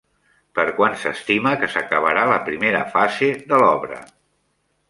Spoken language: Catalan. Per quan s'estima que s'acabarà la primera fase de l'obra?